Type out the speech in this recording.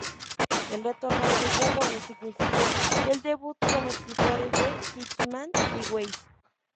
El retorno de los dragones significó el debut como escritores de Hickman y Weis.